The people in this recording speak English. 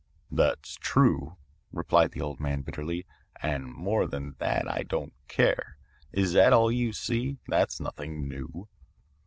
"'That's true,' replied the old man bitterly, 'and more than that I don't care. Is that all you see? That's nothing new.'